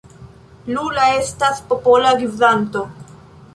Lula estas popola gvidanto.